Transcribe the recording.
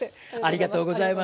ありがとうございます。